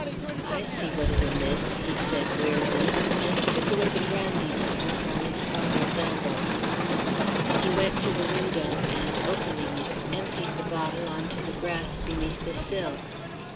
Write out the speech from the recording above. "'I see what is amiss,' he said, wearily, and took away the brandy bottle from his father's elbow. He went to the window, and opening it, emptied the bottle on to the grass beneath the sill.